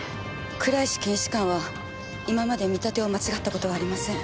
倉石検視官は今まで見立てを間違った事はありません。